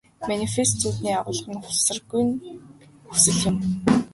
Манифест зүүдний агуулга нь ухамсаргүйн хүсэл юм.